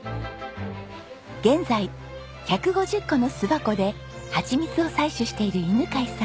現在１５０個の巣箱でハチミツを採取している犬飼さん。